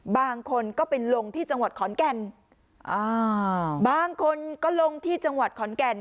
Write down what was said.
บางคนก็ไปลงที่จังหวัดขอนแก่นอ่าบางคนก็ลงที่จังหวัดขอนแก่น